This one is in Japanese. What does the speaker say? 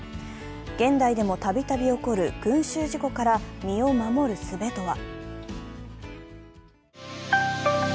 現代でもたびたび起こる群集事故から身を守るすべとは。